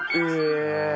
え！